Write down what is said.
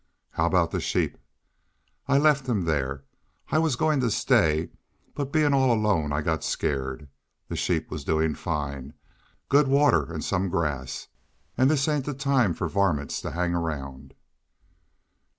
"How aboot the sheep?" "I left them there. I was goin' to stay, but bein' all alone I got skeered.... The sheep was doin' fine. Good water an' some grass. An' this ain't time fer varmints to hang round."